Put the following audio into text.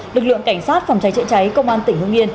lực lượng cảnh sát phòng cháy chữa cháy công an tỉnh hương yên